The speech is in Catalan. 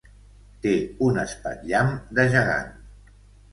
Té un espatllam de gegant.